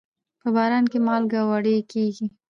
په باران کې مالګه وړي کېږي.